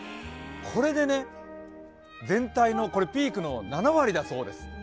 これで全体のピークの７割だそうです。